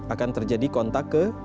akan terjadi kontak ke